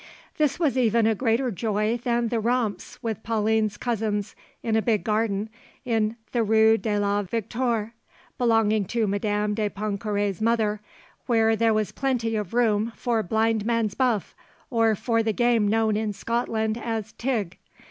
This was even a greater joy than the romps with Pauline's cousins in a big garden in the Rue de la Victoire belonging to Madame de Pontcarré's mother, where there was plenty of room for blindman's buff, or for the game known in Scotland as 'tig.'